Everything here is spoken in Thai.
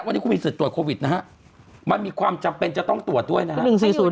วันนี้คุณมีสิทธิ์ตรวจโควิดนะฮะมันมีความจำเป็นจะต้องตรวจด้วยนะฮะ